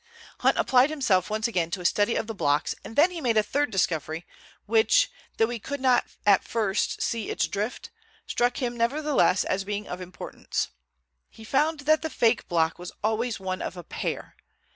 Hunt applied himself once again to a study of the blocks, and then he made a third discovery, which, though he could not at first see its drift, struck him nevertheless as being of importance. He found that the faked block was always one of a pair.